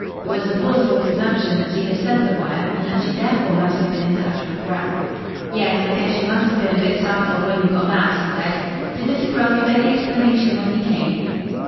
It was a plausible presumption that she had sent the wire and that she therefore must have been in touch with Grell. "Yes, I guess you must have been a bit startled when you got that," he said. "Did Mr. Grell give any explanation when he came?"